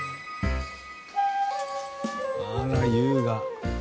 あら優雅。